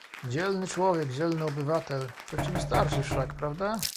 "Dzielny człowiek, dzielny obywatel... to ci wystarczy, wszak prawda?..."